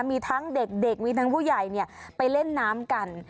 มีทั้งเด็กมีทั้งผู้ใหญ่ไปเล่นน้ำกัน